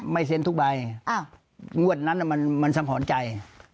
ไม่เซ็นทุกใบงวดนั้นมันสะหรณ์ใจ